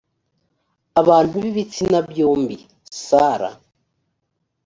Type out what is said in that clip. abantu b ibitsina byombi sarah